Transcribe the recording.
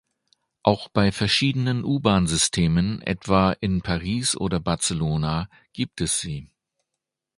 Auch bei verschiedenen U-Bahn-Systemen etwa in Paris oder Barcelona gibt es sie.